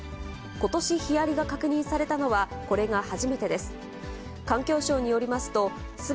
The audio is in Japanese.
ことし、ヒアリが確認されたのは、これが初めてです。